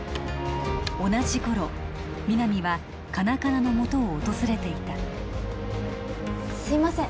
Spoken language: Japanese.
同じ頃皆実はカナカナのもとを訪れていたすいません